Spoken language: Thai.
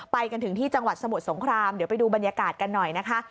ไปกันถึงที่จังหวัดสมุทรสงครามเดี๋ยวไปดูบรรยากาศกันหน่อยนะคะ